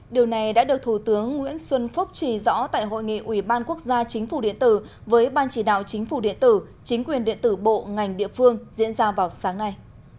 điều này đã được thủ tướng nguyễn xuân phúc chỉ rõ tại hội nghị ủy ban quốc gia chính phủ điện tử với ban chỉ đạo chính phủ điện tử chính quyền điện tử bộ ngành địa phương diễn ra vào sáng nay